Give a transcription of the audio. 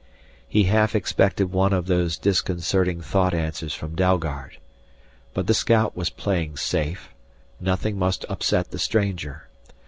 He half expected one of those disconcerting thought answers from Dalgard. But the scout was playing safe nothing must upset the stranger.